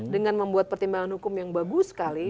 dengan membuat pertimbangan hukum yang bagus sekali